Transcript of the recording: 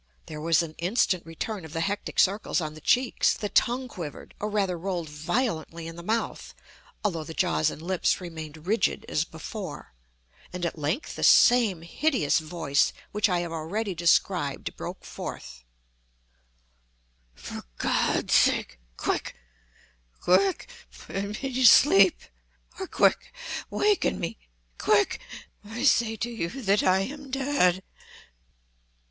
There was an instant return of the hectic circles on the cheeks; the tongue quivered, or rather rolled violently in the mouth (although the jaws and lips remained rigid as before), and at length the same hideous voice which I have already described, broke forth: "For God's sake!—quick!—quick!—put me to sleep—or, quick!—waken me!—quick!—I say to you that I am dead!"